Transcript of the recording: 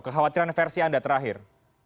kekhawatiran versi anda terakhir